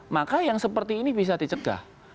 maka yang seperti ini bisa dicegah